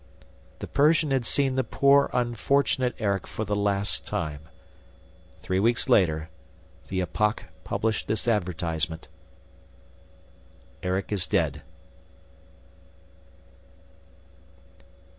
The Persian had seen the poor, unfortunate Erik for the last time. Three weeks later, the Epoque published this advertisement: "Erik is dead."